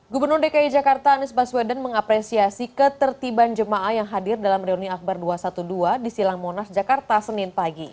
gubernur dki jakarta anies baswedan mengapresiasi ketertiban jemaah yang hadir dalam reuni akbar dua ratus dua belas di silang monas jakarta senin pagi